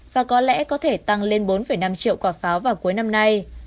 và có lẽ có thể tăng lên bốn năm triệu quả pháo vào cuối năm nay